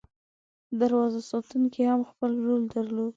دروازه ساتونکي هم خپل رول درلود.